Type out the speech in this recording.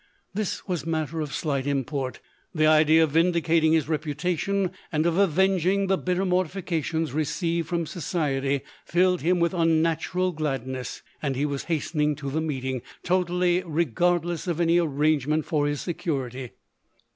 This was matter of slight import : the idea of vindicating his reputation, and of avenging the bitter mortifications received from society, filled him with unnatural glad ness; and he was hastening to the meeting, totally regardless of any arrangement for his security.